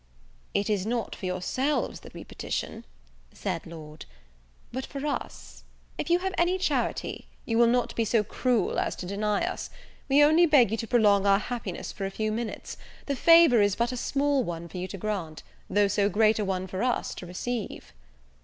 "It is not for yourselves that we petition," said Lord . "But for us; if you have any charity, you will not be so cruel as to deny us; we only beg you to prolong our happiness for a few minutes, the favour is but a small one for you to grant, though so great a one for us to receive."